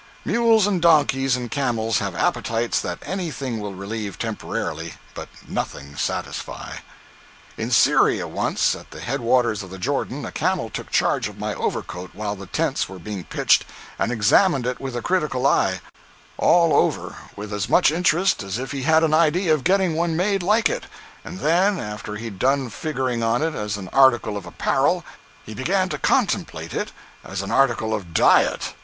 Mules and donkeys and camels have appetites that anything will relieve temporarily, but nothing satisfy. In Syria, once, at the head waters of the Jordan, a camel took charge of my overcoat while the tents were being pitched, and examined it with a critical eye, all over, with as much interest as if he had an idea of getting one made like it; and then, after he was done figuring on it as an article of apparel, he began to contemplate it as an article of diet.